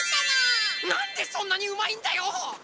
なんでそんなにうまいんだよ！